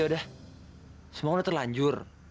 yaudah semoga udah terlanjur